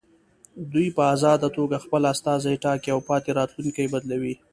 دوی په ازاده توګه خپل استازي ټاکي او پاتې راتلونکي بدلوي.